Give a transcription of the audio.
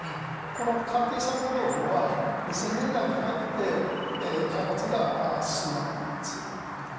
このＣＡＲ−Ｔ細胞療法は２０００年代に入って開発が進んだものなんです。